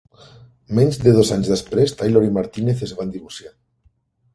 Menys de dos anys després, Taylor i Martinez es van divorciar.